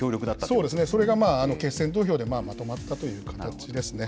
そうですね、それが決選投票でまとまったという形ですね。